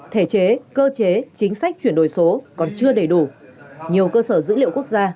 thể chế cơ chế chính sách chuyển đổi số còn chưa đầy đủ nhiều cơ sở dữ liệu quốc gia